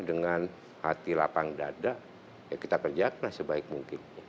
dengan hati lapang dada ya kita kerjakanlah sebaik mungkin